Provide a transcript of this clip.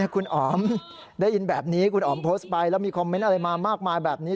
คุณอ๋อมได้ยินแบบนี้คุณอ๋อมโพสต์ไปแล้วมีคอมเมนต์อะไรมามากมายแบบนี้